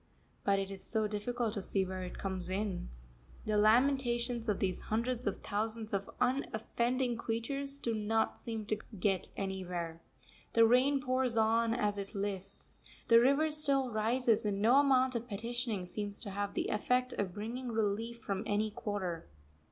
But it is so difficult to see where it comes in. The lamentations of these hundreds of thousands of unoffending creatures do not seem to get anywhere. The rain pours on as it lists, the river still rises, and no amount of petitioning seems to have the effect of bringing relief from any quarter.